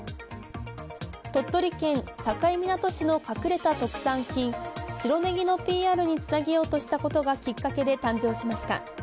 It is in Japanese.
鳥取県境港市の隠れた特産品白ネギのＰＲにつなげようとしたことがきっかけで誕生しました。